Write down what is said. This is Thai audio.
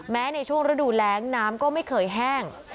แม้ในช่วงฤดูแรงน้ำก็ไม่เคยแห้ง